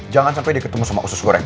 jangan sampai dia ketemu sama usus goreng